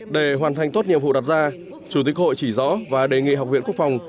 để hoàn thành tốt nhiệm vụ đặt ra chủ tịch hội chỉ rõ và đề nghị học viện quốc phòng